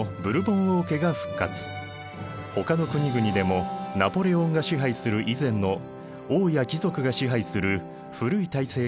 ほかの国々でもナポレオンが支配する以前の王や貴族が支配する古い体制に戻った。